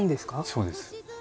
そうです。